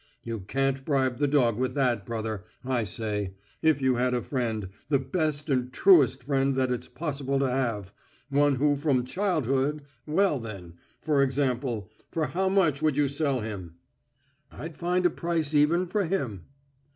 You can't bribe the dog with that, brother I say, if you had a friend, the best and truest friend that it's possible to have ... one who from childhood ... well, then, for example, for how much would you sell him?" "I'd find a price even for him!..."